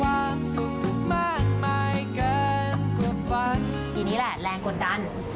เฟ้นท์จัดการกับแรงกดดันยังไงคะ